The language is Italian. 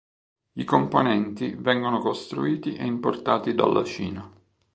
I componenti vengono costruiti e importati dalla Cina.